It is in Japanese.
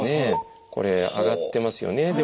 これ上がってますよね。